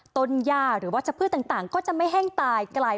ต้นย่าหรือว่าเผื้อต่างก็จะไม่แห้งตาย